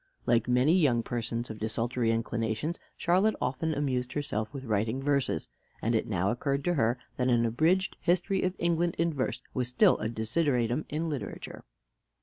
Like many young persons of desultory inclinations, Charlotte often amused herself with writing verses; and it now occurred to her that an abridged history of England in verse was still a desideratum in literature.